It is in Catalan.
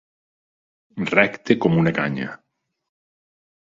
Recte com una canya.